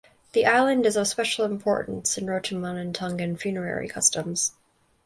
The island is of special importance in Rotuman and Tongan funerary customs.